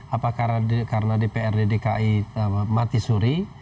apa karena dprd dki mati suri